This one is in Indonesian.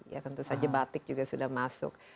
ya tentu saja batik juga sudah masuk